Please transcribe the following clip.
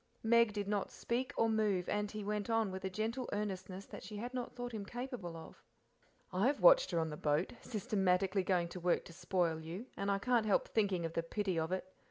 Meg did not speak or move, and he went on with a gentle earnestness that she had not thought him capable of.. "I have watched her on the boat, systematically going to work to spoil you, and can't help thinking of the pity of it.